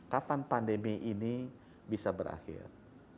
kapan pandemi ini bisa berakhir